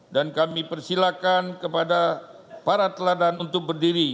dan kami persilakan kepada para teladan untuk berdiri